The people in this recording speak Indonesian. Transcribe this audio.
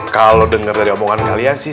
kalau dengar dari omongan kalian sih